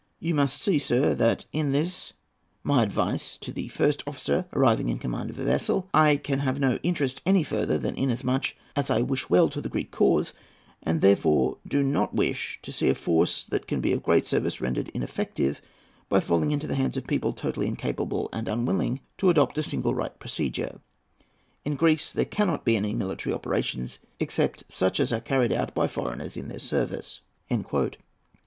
You must see, sir, that, in this my advice to the first officer arriving in command of a vessel, I can have no interest any further than inasmuch as I wish well to the Greek cause, and therefore do not wish to see a force that can be of great service rendered ineffective by falling into the hands of people totally incapable and unwilling to adopt a single right measure. In Greece there cannot be any military operations except such as are carried on by foreigners in their service."